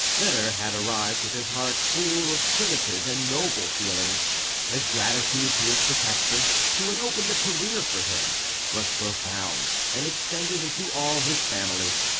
Foedor had arrived with his heart full of primitive and noble feelings; his gratitude to his protector, who had opened a career for him, was profound, and extended to all his family.